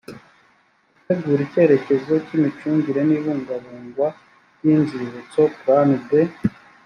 gutegura icyerekezo cy imicungire n ibungabungwa ry inzibutso plan de